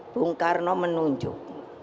bung karno menunjuk